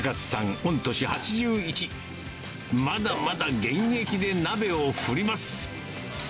御年８１、まだまだ現役で鍋を振ります。